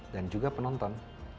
dan juga penonton